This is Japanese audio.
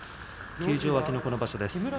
休場明けのこの場所です。